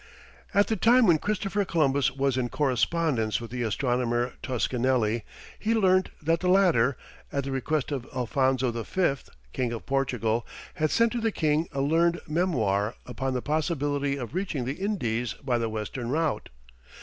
At the time when Christopher Columbus was in correspondence with the astronomer Toscanelli, he learnt that the latter, at the request of Alphonso V., King of Portugal, had sent to the king a learned Memoir upon the possibility of reaching the Indies by the western route.